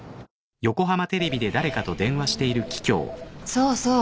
そうそう。